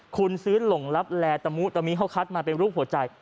คุณซื้อหลงลับแลตะมุตะมิเขาคัดมาเป็นรูปหัวใจ